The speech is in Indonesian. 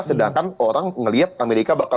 sedangkan orang ngeliat amerika bakal